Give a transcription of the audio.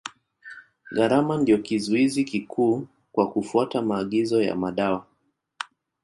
Gharama ndio kizuizi kikuu kwa kufuata maagizo ya madawa.